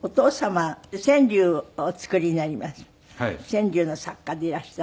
川柳の作家でいらした。